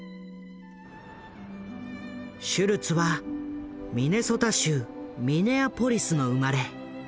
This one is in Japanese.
シュルツはミネソタ州ミネアポリスの生まれ。